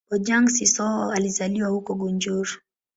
Bojang-Sissoho alizaliwa huko Gunjur.